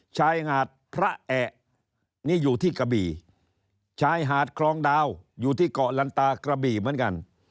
ชายหาดพระแอะนี่อยู่ที่กระบี่ชายหาดคลองดาวอยู่ที่เกาะลันตากระบี่เหมือนกัน